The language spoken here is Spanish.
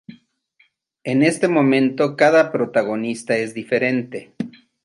En este modo cada protagonista es diferente.